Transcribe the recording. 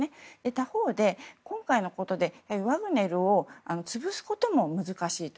他方で、今回のことでワグネルをつぶすことも難しいと。